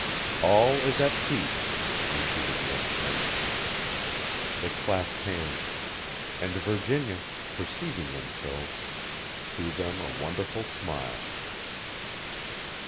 "All is at peace," repeated Ned Trent. They clasped hands. And Virginia, perceiving them so, threw them a wonderful smile.